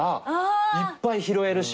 いっぱい拾えるし。